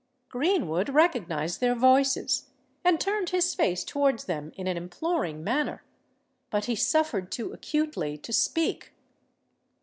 Greenwood recognised their voices, and turned his face towards them in an imploring manner: but he suffered too acutely to speak.